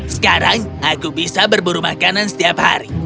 sekarang aku bisa berburu makanan setiap hari